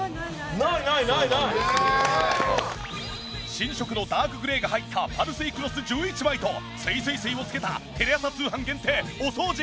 新色のダークグレーが入ったパルスイクロス１１枚とすいすい水を付けたテレ朝通販限定お掃除